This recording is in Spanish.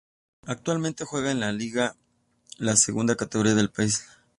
Actualmente juega en la I Liga, la segunda categoría del país.